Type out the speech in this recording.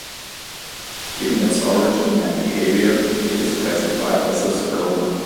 Given its origin and behavior it is classified as a sarcoma.